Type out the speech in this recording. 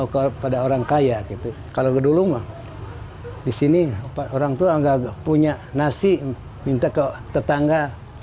kalau dulu mah di sini orang tua tidak punya nasi minta ke tetangga